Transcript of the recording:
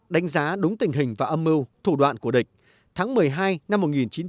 đánh giá đúng tình hình và âm mưu thủ đoạn của địch tháng một mươi hai năm một nghìn chín trăm bảy mươi